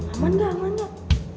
aman gak aman gak